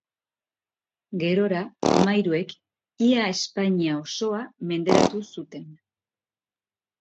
Gerora mairuek ia Espainia osoa menderatu zuten.